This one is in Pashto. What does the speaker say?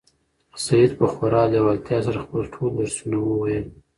سعید په خورا لېوالتیا سره خپل ټول درسونه وویل.